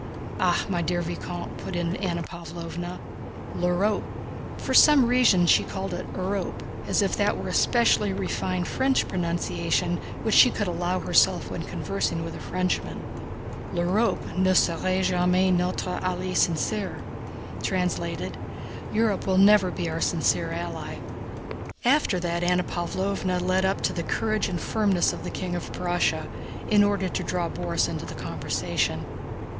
"Ah, my dear vicomte," put in Anna Pávlovna, "L'Urope" (for some reason she called it Urope as if that were a specially refined French pronunciation which she could allow herself when conversing with a Frenchman), "L'Urope ne sera jamais notre alliée sincère." "Europe will never be our sincere ally." After that Anna Pávlovna led up to the courage and firmness of the King of Prussia, in order to draw Borís into the conversation.